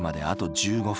１５分。